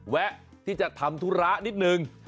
แวะที่จะทำธุระนิดนึง